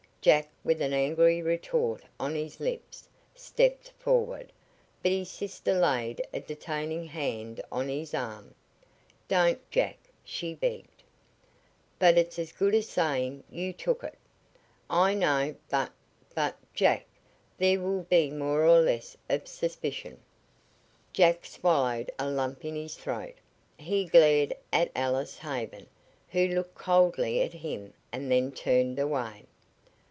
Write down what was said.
Jack, with an angry retort on his lips, stepped forward, but his sister laid a detaining hand on his arm. "Don't, Jack," she begged. "But it's as good as saying you took it." "I know; but but, Jack, there will be more or less of suspicion." Jack swallowed a lump in his throat. He glared at Alice Haven, who looked coldly at him and then turned away.